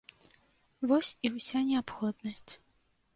Вось і ўся неабходнасць.